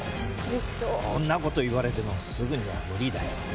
そんなこと言われてもすぐには無理だよ。